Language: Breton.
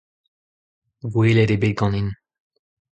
Gwelet eo bet ganin.